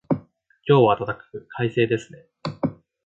今日は暖かく、快晴ですね。